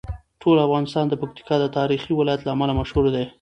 ټول افغانستان د پکتیکا د تاریخي ولایت له امله مشهور دی.